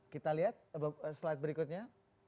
kita lihat slide berikutnya